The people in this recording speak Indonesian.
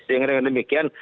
sehingga dengan demikian